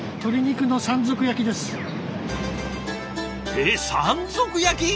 えっ山賊焼き？